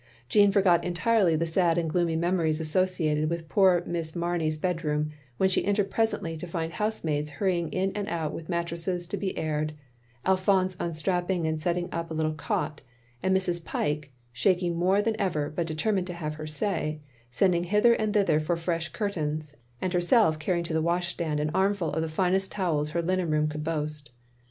Jeanne forgot entirely the sad and gloomy memories associated with poor Miss Mamey's bedroom, when she entered presently to find housemaids hurrying in and out with mattresses to be aired; Alphonse unstrapping and setting up a little cot; and Mrs. Pyke (shaking more than ever, but determined to have her say) sending hither and thither for fresh curtains, and herself carrying to the wash stand an armful of the finest towels her linen room could boast.